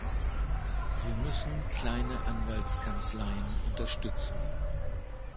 Wir müssen kleine Anwaltskanzleien unterstützen.